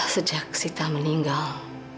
sejak sita meninggal